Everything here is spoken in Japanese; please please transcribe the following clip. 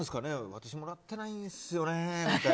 私もらってないんですよねって。